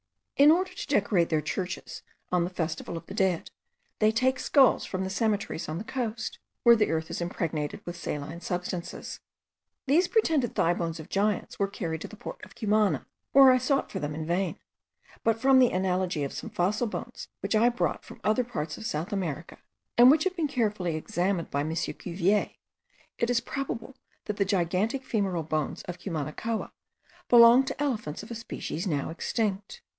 In order to decorate their churches on the festival of the dead, they take skulls from the cemeteries on the coast, where the earth is impregnated with saline substances. These pretended thigh bones of giants were carried to the port of Cumana, where I sought for them in vain; but from the analogy of some fossil bones which I brought from other parts of South America, and which have been carefully examined by M. Cuvier, it is probable that the gigantic femoral bones of Cumanacoa belonged to elephants of a species now extinct.